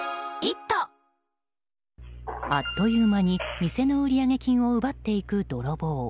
あっという間に店の売上金を奪っていく泥棒。